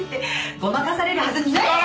ごまかされるはずないでしょ！